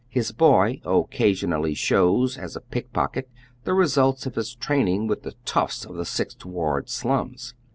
His boy occa sionally shows, as a pick pocket, the results of his training with the toughs of the Sixth Ward slums.